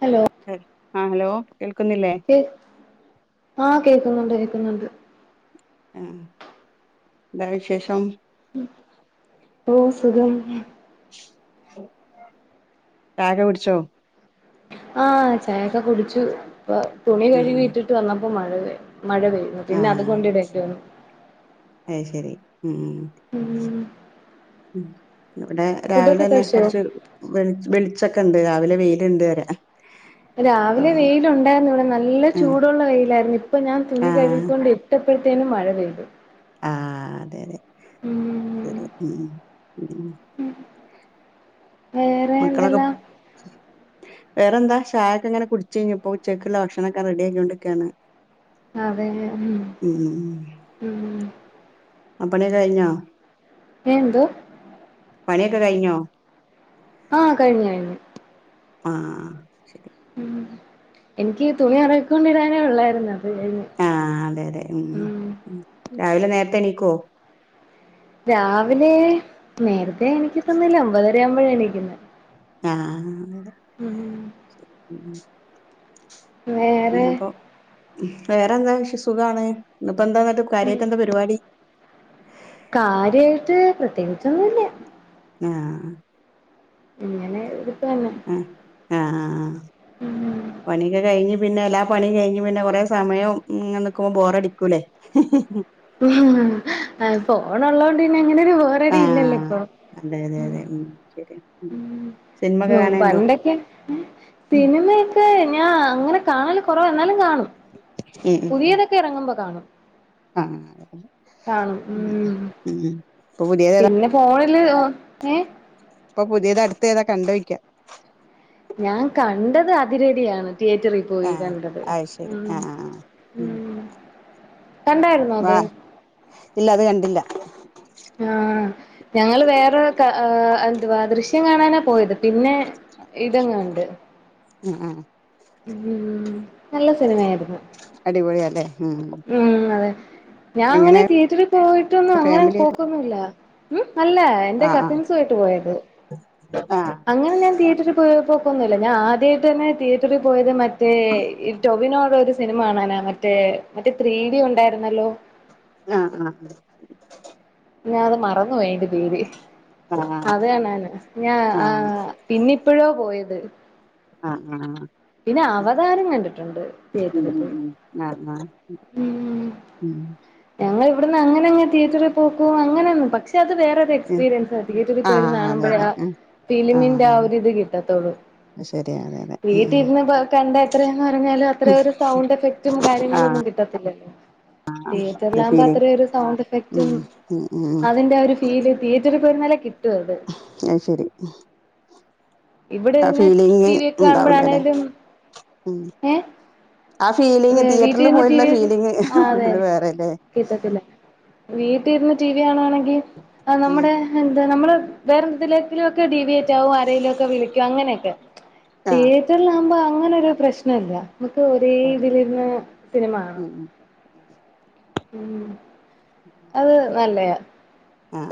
Hello ആഹ് hello കേൾക്കുന്നില്ലേ? ആഹ് കേക്കുന്നുണ്ട് കേക്കുന്നുണ്ട് ആഹ് എന്താ വിശേഷം? ഓഹ് സുഖാണ്. ചായൊക്കെ കുടിച്ചോ ആഹ് ചായൊക്കെ കുടിച്ചു ഇപ്പ തുണി ആ കഴുകി ഇട്ടിട്ട് വന്നപ്പോ മഴ മഴ പെയ്തു ആഹ് അയ്ശെരി ഉം ഉം ഉം ഇവിടെ ഫുഡൊക്കെ രാവിലെന്നെ കഴിച്ചോ കൊർച്ച് വെളിച്ചൊക്കെ ഇണ്ട് രാവിലെ വെയില്ണ്ട് പറയാ രാവിലെ വെയിലുണ്ടായിരുന്നു ഇവിടെ നല്ല ആ ചൂടുള്ള വെയിലായിരുന്നു ഇപ്പൊ ഞാൻ ആ തുണി കഴുകിക്കൊണ്ടി ട്ടപ്പഴത്തേനും മഴ പെയ്തു. ആഹ് അതെ അതെ ഉം ശരി ഉം ഉം വേറെ മക്കളൊക്കെ എന്തെല്ലാ വേറെന്താ ചായ ഒക്കെങ്ങനെ കുടിച്ച് കഴിഞ്ഞപ്പോ ഉച്ചക്കുള്ള ഭക്ഷണവൊക്കെ റെഡിയാക്കികൊണ്ടിക്കയാണ്. അതെ ഉം ഉം അ പണിയൊക്കെ കഴിഞ്ഞോ ഏഹ് എന്തോ? പണിയൊക്കെ കഴിഞ്ഞോ ആഹ് കഴിഞ്ഞ് കഴിഞ്ഞ് ആഹ് ഉം എനിക്ക് തുണി കൊറേകൊണ്ടിടാൻ ഉള്ളാരുന്നു അത് കഴിഞ്ഞ് ആഹ് അതെ അതെ ഉം രാവിലെ നേരത്തെണീക്കൊ രാവിലെ നേരത്തെ എണീകതൊന്നുല്ല ഒമ്പതര ആവുമ്പഴ എണീക്കുന്നെ ആഹ് അന്നരം ഉം ഉം ഉം അങ്ങനെ വേറെ അപ്പോ ഉം വേറെന്താ സുഖാണെ ഇപ്പോ എന്താന്നട്ട് കാര്യയിട്ട് എന്താ പരിപാടി കാര്യയിട്ട് പ്രത്യേകിച്ചൊന്നു ഇല്ല്യ ആഹ് ഇങ്ങനെ ഇരിപ്പ് തന്നെ ഉം ആഹ് അഹ് അഹ് ഉം പണിയൊക്കെ കഴിഞ്ഞ് പിന്നെ എല്ലാം പണിം കഴിഞ്ഞ് പിന്നെ കൊറെ സമയം ഇങ്ങനിക്കുമ്പോ ബോറടിക്കൂല്ലേ ആഹ് ഫോണൊള്ളൊണ്ട് പിന്നെ അങ്ങനൊരു ബോറടി ഇല്ലല്ലോ ആഹ് ഇപ്പോ അതെ അതെ ഉം അതെ ഉം ശെരിയ ഉം ഉം പണ്ടൊക്കെ ഉം ഉം സിനിമയൊക്കെ ഞാ അങ്ങനെ കാണല് കുറവ എന്നാലും കാണും ഉം ഉം പുതിയതൊക്കെ എറങ്ങുമ്പോ കാണും ആഹ് [unintelligible] ഉം ഉം പുതിയ പിന്നെ ഫോണില് ഒ ഏഹ് ഇപ്പ പുതിയത് അടുത്തെ ഏതാ കണ്ടു വയ്ക്കാം ഞാൻ കണ്ടത് അതിരടി ആണ് തിയേറ്ററി പോയി ആഹ് കണ്ടത് അത് ശരി ആഹ് ആഹ് ഉം ആഹ് കണ്ടായിരുന്നോ വാ അത് ഇല്ല അത് കണ്ടില്ല ആഹ് ഞങ്ങൾ വേറെ ക ആഹ് എന്തുവാ ദൃശ്യം കാണാനാ പോയത് പിന്നെ ഇതങ്ങ് കണ്ട് ഉം ആഹ് ആഹ് ഉം നല്ല സിനിമ അരുന്നു അടിപൊളിയ അല്ലേ ഉം ഉം അതെ ഞാ അങ്ങനെ എങ്ങനെ തിയേറ്ററിൽ പോയിട്ടൊന്ന് അങ്ങനെ ഫാമിലി പോ ആയിട്ട് ട്ടൊന്നു ഇല്ല ഉം നല്ലാ ആഹ് എന്റെ കസിൻസ് ആയിട്ട് പോയിരുന്നു ആഹ് അങ്ങനെ ഞാൻ തിയേറ്ററിൽ പൊയെ പൊക്കൊന്നുല്ല ഞാൻ ആദ്യയിട്ട് തന്നെ തിയേറ്ററിൽ പോയത് മറ്റേ ഈ ടൊവിനോടൊരു സിനിമ കാണാനാ മറ്റേ മറ്റേ ത്രീ ടി ഉണ്ടാരുന്നല്ലോ ആഹ് ആഹ് ഞാൻ അത് മറന്ന് പോയി അയിന്റെ പേര് ആഹ് അത് കാണാനാ ഞാ ആഹ് പിന്നിപ്പഴ പോയത് ആഹ് ആഹ് പിന്നെ അവതാരം കണ്ടിട്ടുണ്ട് ഉം തിയേറ്ററി ഉം പോയി ഉം ആഹ് ആഹ് ഉം ഉം ഞങ്ങൾ ഇവിടുന്ന് അങ്ങനങ്ങ് തിയെറ്ററി പോക്കും അങ്ങനെ ഒന്നു പക്ഷെ അത് വേ റൊരു എക്സ്പീരിയൻസ തിയേറ്ററിൽ ആഹ് പോയിരുന്ന് അതെ കാണുമ്പഴേ അതെ ആഹ് ഫിലിമിന്റെ ആ ഒരു ഇത് കിട്ടാത്തൊള്ളൂ ശരിയ അതെതെ വീട്ടി ഇരുന്ന്പ്പ കണ്ട എത്രയന്നു പറഞ്ഞാലും അത്ര ഒരു സൗണ്ട് എഫക് റ്റും ആഹ് കാര്യങ്ങളൊന്നും കിട്ടത്തില്ലല്ലോ തിയേറ്ററൽ അത് ആകുമ്പോ ഫീലിങ് അത്ര ഒരു സൗണ്ട് എഫക്റ്റും ഉം ഉം ഉം അതിന്റെ ഒരു തീ തിയേറ്ററിൽ പോയിരുന്നലെ കിട്ടു അത് അ ശരി ഇവിടെ ആ ഇരുന്ന് ഫീലിങ് ടി വി ഒക്കെ ഉണ്ടാവൂലല്ലെ കാണുമ്പോഴാണേലും ഉം ഏഹ് ആ ഫീലിങ് വീട്ടിൽ തീയേറ്ററിൽ ഇരുന്ന് ടി പോയുള്ള വി ഒക്കെ ഫീലിങ് ആ അതെ അത് വേറെല്ലേ കിട്ടത്തില്ല വീട്ടിരുന്ന് ടീവി കാണുവാണെങ്കിൽ ആ ഉം നമ്മുടെ എന്താ നമ്മള് വേറെ എന്തതിലെങ്കിലും ഒക്കെ ഡി വി യാറ്റ് ആരെങ്കിലും ഒക്കെ വിളിക്കും അങ്ങനെയൊക്കെ ആഹ് തിയേറ്ററിലാവകുമ്പോ അങ്ങനൊ ഒരു പ്രശ്നംല്ല നമുക്ക് ഒരേ അതെ ഇതിലിരുന്ന് സിനിമ കാണാം ഉം ഉം ഉം അത് നല്ല ആാ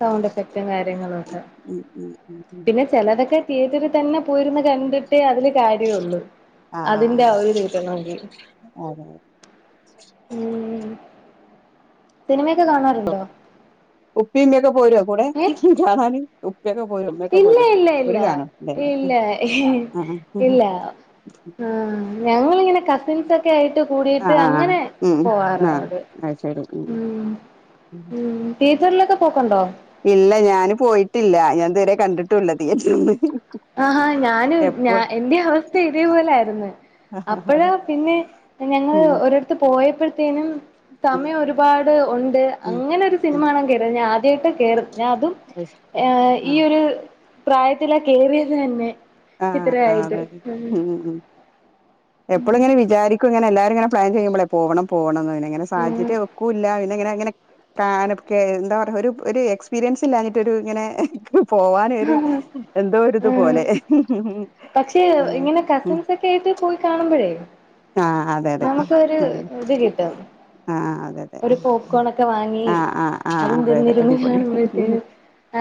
സൗണ്ട് എഫക്റ്റും കാര്യങ്ങളും ഒക്കെ ഉം ഉം ഉം ഉം പിന്നെ ചിലതൊക്കെ തിയേറ്ററിൽ തന്നെ പോയിരുന്നു കണ്ട് മറ്റേ അതില് കാര്യമള്ളൂ ആഹ് അതിന്റെ ആഹ് ആര് തീട്ടണമെങ്കിൽ അതെ ഉം സിനിമയൊക്കെ കാണാറുണ്ടോ ഉപ്പ ഉപ്പിമ്മ ഒക്കെ പോരുമോ കൂടെ ഏഹ് ഉപ്പൊക്കെ പോര ഉമ്മയൊക്കെ ഇല്ല പോരും ഇല്ല ഒരു ഇല്ല കാണും ഇന്നെ ഇല്ല ആ ഞങ്ങളിങ്ങനെ കസിൻസ് ഒക്കെ ആയിട്ട് കൂടിട്ട് അങ്ങനെ പോവാറോ അത് അ ശട ഉം ടീച്ചറിലൊക്കെ പോക്കണ്ടോ ഇല്ല ഞാന് പോയിട്ടില്ല ഞാൻ തരെ കണ്ടിട്ടുംല്ല തിയേറ്ററിന്ന് ആഹാ ഞാനും ഞ എപ്പോ എന്റെ അവസ്ഥ ഇതേപോലെ ആന്ന് അപ്പോഴാ പിന്നെ ഞങ്ങൾ ഉം ഒരിടത്ത് പോയപ്പോഴത്തേനും ഉം സമയം ഒരു രുപാട് ഒണ്ട് ഉം അങ്ങനെ ഒരു ഉം സിനിമകാണാൻ കേയറിയത ഞാൻ ആദ്യായിട്ട കേറിന്ന് ഞാൻ അതും ഏഹ് ആ ഈയൊരു പ്രായത്തിലാ കേറിയത് തന്നെ ആഹ് അതെ ഉം എപ്പൊളും ഇങ്ങനെ വിചാരിക്കും ഇങ്ങനെ എല്ലാരും ഇങ്ങനെ പ്ലാൻ ചെയ്യുമ്പളെ പോകണം പോണംന്ന് അങ്ങനെ അങ്ങനെ ഉം സാഹചര്യം ഒക്കൂല്ല പിന്നെ അങ്ങനെങ്ങനെ കാലോക്കെ എന്താ പറയാ ഒരു ഒരു എക്സ്പീരിയൻസ് ഇല്ലാഞ്ഞിട്ട് ഒരു ഇങ്ങനെ പോവാനൊര് എന്തോ ഒരു ഇത് ഉം പോലെ പക്ഷെ ഏഹ് ഇങ്ങനെ കസിൻസ് ഒക്കെ ആയിട്ട് പോയി കാണുമ്പഴേ ആഹ് അതെ അതെ ഉം അതെ ഇത് കിട്ടും ആഹ് ആഹ് അതെ അതെ ഒരു പോപ്കോണൊക്കെ വാങ്ങി ആഹ് ആഹ് ആഹ് അതും അതെ അതെ തരുന്നിരുന്നു അടിപൊളി കാണുമ്പഴത്തേനും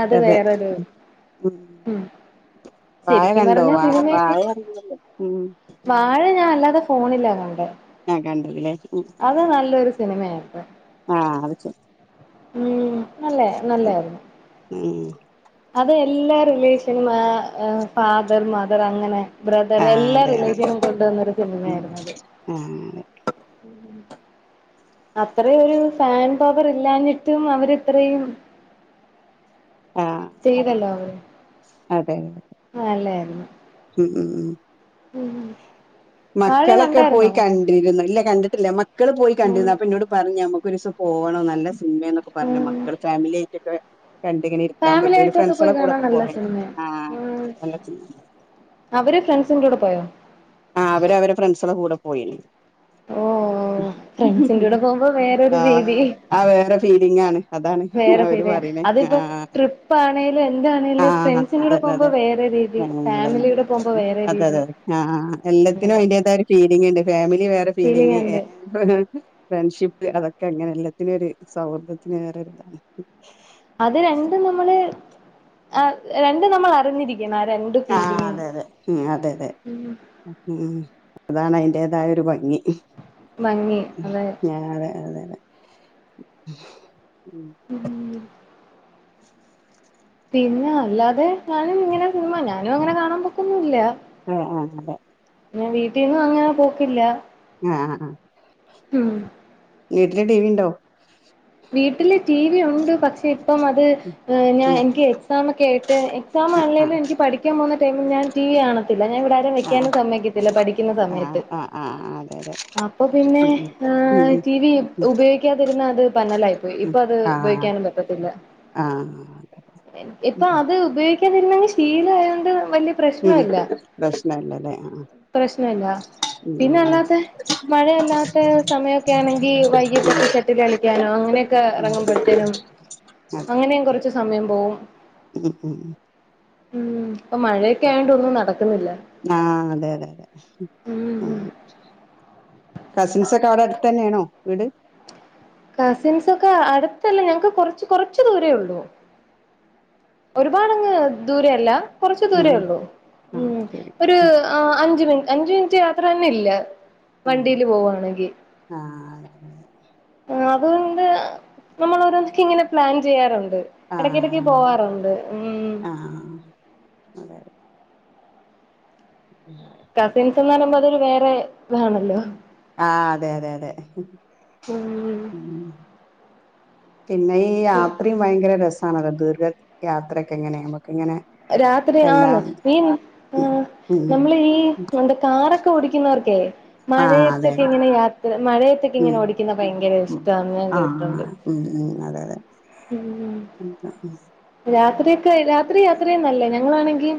അത് അതെ വേറൊരു ഉം വാഴ ശരിക്കും കണ്ടോ പറഞ്ഞ വാ സിനിമയൊക്കെ വാഴ കണ്ടല്ലോ ഉം പാ അത് ഞാൻ അല്ലാതെ ഫോണിലാ കണ്ടേ ആഹ് കണ്ടതല്ലേ ഉം അത് നല്ലൊരു സിനിമയാണ് ആഹ് അത്ച്ച് ഉം നല്ലാ ശരി നല്ലയാരുന്നു ഉം അത് എല്ലാ റിലേഷനും ആഹ് ആഹ് ഫാദർ മദർ അങ്ങനെ ബ്രദറ് ആഹ് എല്ലാ അതെ അതെ റിലേഷനും കൊണ്ടുവന്നൊരു ഉം സിനിമയാരുന്നു ആഹ് അങ്ങനെ ഉം അത്രേം ഒരു ഫാൻ പവറില്ലാഞ്ഞിട്ടും അവരിത്രയും ആഹ് ചെയ്തല്ലോ അങ്ങനെ അതെ നല്ലെയാരുന്നു ഉം ഉം ഉം ഉം വാഴ മക്കളൊക്കെ പോയി കണ്ടായിരുന്നോ കൺ ണ്ടിരുന്നു ഇല്ല കണ്ടിട്ടില്ല മക്കള് പോയി ഉം കണ്ടിരുന്നു അപ്പൊ ഇന്നോട് പറഞ്ഞു ഞമ്മുക്ക് ഒരിസം പോകണംന്ന് നല്ല സ് സിനിമേന്നൊക്കെ പറഞ്‌ ഉം മക്കള് ഫാമിലി ആയിട്ടൊക്കെ കണ്ടിങ്ങനെ ഇരിക്കാൻ ഫാമിലി പറ്റും ഓല് ആയിട്ടൊക്കെ ഫ്രണ്ട്സ്കള പോയി കാണാൻ കൂടെക്കെ നല്ല പോകേണ്ട് സിനിമയാ ഉം ആഹ് [unintelligible] അവര് ഫ്രണ്ട്സിന്റ് കൂടെ പോയോ ആഹ് അവര് അവരെ ഫ്രണ്ട്സാളെ കൂടെ പോയിനി ഓഹ് രീതി ആഹ് അയ് വേറെ ഫീലിംങ്ങാണ് അതാണ് വേറെ അവര് ഫീലാ പറയണേ അതിപ്പോ ആഹ് ട്രിപ്പ് ആണേലും എന്താണേലും ആഹ് ഫ്രണ്ട്സിന്റെ കൂടെ അതന്നെ പോകുമ്പോ അതെ വേറെ രീതി ആഹ് അതെ അതെ ഫാമിലിയുടെ പോകുമ്പോ ഏഹ് വേറെ അതെ അതെ രീതി അതെ ആഹ് ആഹ് ആഹ് ഏൽ എല്ലത്തിനും അങ്ങനെ അതിന്റേതായ ഒരു ഫീലിങ്ണ്ട് ഫാമിലി വേറെ ഫീലിംഗ് ഫീലിംങ്ങ് ഉണ്ട് ഏഹ് [unintelligible] ഫ്രണ്ട്ഷിപ്പ് അതൊക്കെ അങ്ങനെ എല്ലാത്തിനും ഒരു സൗഹൃദത്തിന് വേറെരുതാണ് അത് രണ്ടും നമ്മള് ആഹ് രണ്ടും നമ്മളറിഞ്ഞിരിക്കണം ആ രണ്ട് ആഹ് ഫീലിങ്ങും അതെ അതെ ഉം അതെ അതെ ഉം അതാണ് അയിന്റെതായ ഒരു ഭംഗി ഭംഗി ഉം അതെ ആഹ് അതെ അതെ അതെ ഉം ഇയ്യോ പിന്നെ അല്ലാതെ ഞാനും ഇങ്ങനെ സിനിമ ഞാനും അങ്ങനെ കാണാൻ പോക്കൊന്നും ഇല്ല ആഹ് ആഹ് അതെ പിന്ന വീട്ടിന്നും അങ്ങന പോക്കില്ല ആഹ് ആഹ്. ഉം വീട്ട്ല് ടിവിണ്ടോ? വീട്ടില് ടി വി യുണ്ട് പക്ഷേ ഇപ്പം അത് ഏഹ് ഞാൻ ഉം എനിക്ക് എക്സാമക്കെ ആയിട്ട് എക്സാം ആഹ് ആൺലേനും എനിക്ക് പഠിക്കാൻ പോകുന്ന ടൈമിൽ ഞാൻ ടി വി കാണത്തില്ല. ഞാൻ ഇവിടെ ആരെയും ആഹ് വെക്കാനും സമ്മയ്ക്കത്തില്ല പഠിക്കുന്ന ആഹ് സമയത്ത്. ആഹ് ആഹ് അതെ അതെ. അപ്പൊ പിന്നെ ഉം ഉം ആഹ് ഉം ടി വി ഉപയോഗിക്കാതിരുന്ന അത് [unintelligible] പ്പോയി. ഉം ഇപ്പൊ അത് ആഹ് ഉപയോഗിക്കാനും പറ്റത്തില്ല. ആഹ് എൻ ഇപ്പൊ അത് അത് ഉപയോഗിക്കാതിരിന്നങ്ങ് ശീലായോണ്ട് വല്ലാ ഉം പ്രശ്നല്ല. പ്രശ്നല്ലല്ലേ ആഹ് പ്രശ്നല്ല. പിന്നെ ഉം ഉം അല്ലാത്തെ മഴയല്ലാത്തെ സമയൊക്കെ ആണെങ്കി വൈകീട്ടൊക്കെ ഷട്ടില് കളിക്കാ നോ അങ്ങനെയൊക്കെ ഉം. ഇറങ്ങുമ്പഴത്തേനും ആ. അങ്ങനെയും കൊറച്ച് സമയം പോവും. ഉം ഉം ഉം. ഇപ്പം മഴയൊക്കെ ആയോണ്ട് ഒന്നും നടക്കുന്നില്ല. ആഹ് അതെ അതെ അതെ. ഉം കസിൻസൊക്കെ അവിടെ അടുത്ത് തന്നെയാണോ വീട് കസിൻസൊക്കെ അടുത്തല്ല ഞങ്ങക്ക് കൊറച്ച് കൊറച്ച് ദൂരവേ ഉള്ളൂ ഒരുപാടങ്ങ് ദൂരം അല്ല കുറച്ച് ദൂരവേ ആഹ് ഉള്ളൂ ആഹ് ഉം ശരി ഒരു ഉം ആഹ് അഞ്ച് മിനി അഞ്ച് മിനിറ്റ് യാത്ര തന്നെ ഇല്ല ആഹ് വണ്ടിയില് പോവാണെങ്കിൽ ആഹ് അതെ അതെ അതെ ആഹ് അതുകൊണ്ട് നമ്മള് ഓരോന്നൊക്കെ ഇങ്ങനെ പ്ലാൻ ചെയ്യാറുണ്ട് എടക്കെടക്ക് പോവാറു ണ്ട് ഉം ആഹ് ആഹ് അതെ അതെ ഉം കസിൻസെന്ന് പറയുമ്പോ അതൊരു വേറെ ഇതാണല്ലോ ആഹ് അതെ അതെ അതെ ഉം ഉം പിന്നെ ഈ യാത്രയും ഭയങ്കര രസാണല്ലോ ദീർഘ യാത്രയൊക്കെ ഇങ്ങനെ ഞമ്മക്ക് ഇങ്ങനെ രാത്രി ആന്ന് എല്ലാം ഈ ഉം ആഹ് ഉം നമ്മള് ഈ എന്താ കാറൊക്കെ ഓടിക്കുന്നവർക്കേ ആഹ് അതെ മഴയത്തൊക്കെ ഇങ്ങനെ യാത്ര മഴയത്തൊക്കെ ഉം ഇങ്ങനെ ഓടിക്കുന്ന ഭയങ്കര ഉം ഇഷ്ടാന്ന് ഞാൻ ആഹ് കേട്ടിട്ടുണ്ട് ഉം ഉം അതെ അതെ ഉം ഉം ആഹ് ഉം രാത്രിയൊക്കെ രാത്രി യാത്ര ചെയ്യാൻ നല്ലതാ ഞങ്ങളാണെങ്കി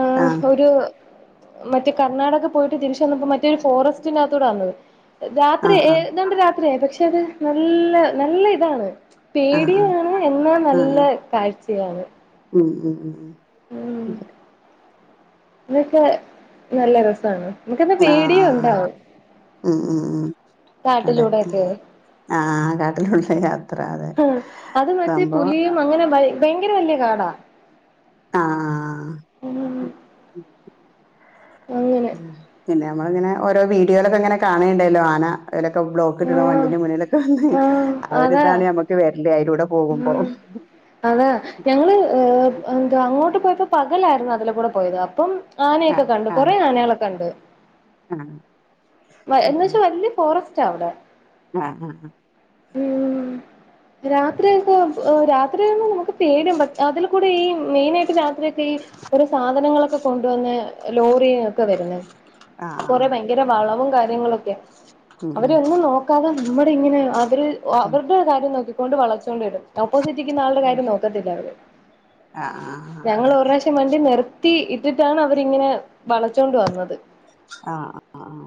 ആഹ് ഒരു മറ്റേ കർണാടക പോയിട്ട് തിരിച്ച് വന്നപ്പോ മറ്റേ ഒരു ഫോറസ്റ്റിന്റെ അകത്തൂടാ വന്നത് രാത്രി ആഹ് ആഹ് ഏതാണ്ട് രാത്രി ആയി പക്ഷെ അത് നല്ല നല്ല ഇതാണ് ആഹ് ആഹ് പേടിയും ആണ് എന്നാ ആഹ് നല്ല ആഹ് കാഴ്ചയാണ് ഉം ഉം ഉം ഉം ഉം ഇതൊക്കെ നല്ല രസാണ് നമുക്കെന്നാ പേടിയും ആഹ് ഉണ്ടാവും ഉം ഉം ഉം അതെ കാട്ടിലൂടെ ഒക്കെയേ ആഹ് ആഹ് കാട്ടിലൂടെ യാ ആഹ് അത് മറ്റേ പുലിയും അങ്ങനെ ഭയ ഭയങ്കര വല്ല്യ കാടാ ആഹ് ഉം അങ്ങനെ പിന്നെ ഞമ്മളിങ്ങനെ ഓരോ വീഡിയോയിലൊക്കെ ഇങ്ങനെ കാണണുണ്ടല്ലോ ആന ഇങ്ങനൊക്കെ ബ്ലോക്ക് ആയിട്ട് ആഹ് വണ്ടീന്റെ മുന്നിലൊക്കെ വന്ന് ആഹ് ഒരു ഇതാണ് ഞമ്മക്ക് വരല് അയിലൂടെ പോകുമ്പോ ഉം അത് ഞങ്ങള് ഏ എന്താ അങ്ങോട്ട് പോയപ്പോ പകലായിരുന്നു അതിലെ കൂടെ പോയത് അപ്പം ആനയൊക്കെ ആഹ് കണ്ട് ആഹ് കൊറേ ആനകളെ കണ്ടു ആഹ് എന്ന് ഉം വെച്ചാ വല്യയ ഫോറസ്റ്റാ അവിടെ ആഹ് ആഹ് ആഹ് ഉം രാത്രിയൊക്കെ രാത്രി യാത്ര നമുക്ക് പേടിയാവും അതിൽ കൂടെ ഈ മെയിനായിട്ട് രാ ത്രി ഓരോ സാധനങ്ങളൊക്കെ കൊണ്ടുവന്ന് ലോറി ഒക്കെയാ വരുന്നേ കൊറെ ആഹ് ഭയ ങ്കര വളവും കാര്യങ്ങളൊക്കെ ഉം ഉം അവരൊന്നും നോക്കാതെ നമ്മുടെ ഇങ്ങനെ അ വര് ഉം അവരുടെ കാര്യം നോക്കിക്കോണ്ട് വളച്ചോണ്ട്‌ വരും ഓപ്പോസിറ്റ് നിക്കുന്ന ആളുടെ കാര്യം നോക്കത്തില്ല അവര് ആഹ് ആഹ് ഞങ്ങള് അതെ ഒരു പ്രാവശ്യം വണ്ടി നിർ ത്തി ഇട്ടിട്ടാണ് അവരിങ്ങനെ വളച്ചോണ്ട് വന്നത് ആഹ് ആഹ് ആഹ്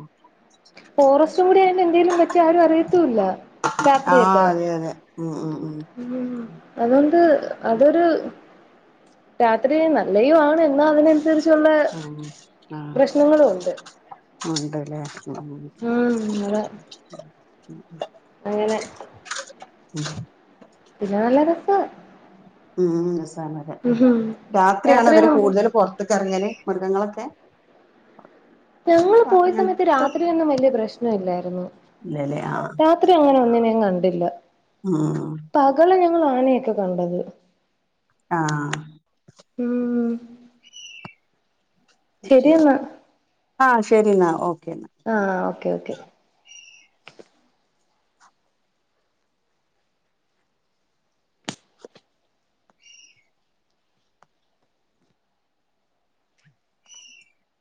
ഫോറസ്റ്റും കൂടി ആയോണ്ട് എന്തേലും പറ്റിയാൾ ആരും അറിയത്തൂല്ല ആഹ അതെ അതെ ഉ ഉം ഉ ഉ അതൊണ്ട് അതൊരു രാത്രി നല്ലയു ആണ് എന്നാ അതിനനുസരിച്ചുള്ള പ്രശ്നങ്ങളും ഉണ്ട് ഉണ്ട് ലെ ഉം അതെ ആ ഉ അങ്ങനെ ഉം പിന്നെ നല്ല രസാ ഉം രാസാണറിയ ഉം രാത്രിയാണ് അവര് രാത്രിയൊന്നും കൂടുതൽ പുറത്ത് ക്കെറങ്ങല് മൃഗങ്ങളൊക്കെ ഞങ്ങള് പോയ സമയത്ത് അങ്ങനത്തെ രാത്രിയൊന്നും വലിയ പ്രശ്ന ഇല്ലായിരുന്നു ഇല്ലല്ലേ ആഹ് രാത്രി അങ്ങനെ ഒന്നിനെയും കണ്ടില്ല ഉം പ പകലന്നെണ് ഞങ്ങള് ആനയൊക്കെ കണ്ടത് ആഹ ഉം ശരിയെന്നാ ആഹ ശരി എന്നാ ഓക്കെ ആഹ ഓക്കേ ഓക്കേ